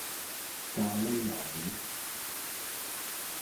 咖哩魷魚